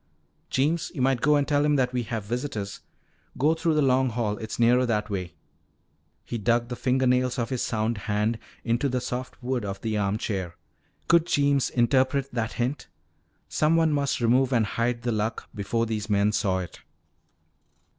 "Jeems, you might go and tell him that we have visitors. Go through the Long Hall, it's nearer that way." He dug the fingernails of his sound hand into the soft wood of the chair arm. Could Jeems interpret that hint? Someone must remove and hide the Luck before these men saw it.